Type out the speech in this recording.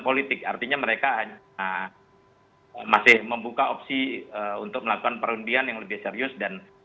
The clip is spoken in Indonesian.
politik artinya mereka hanya masih membuka opsi untuk melakukan perundingan yang lebih serius dan